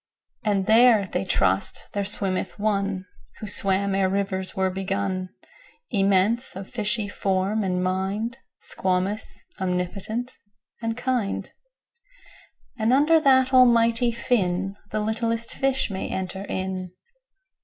19And there (they trust) there swimmeth One20Who swam ere rivers were begun,21Immense, of fishy form and mind,22Squamous, omnipotent, and kind;23And under that Almighty Fin,24The littlest fish may enter in.